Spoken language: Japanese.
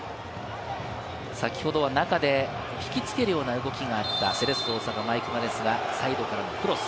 先ほどは中で引きつけるような動きがあったセレッソ大阪の毎熊ですが、最後はクロス。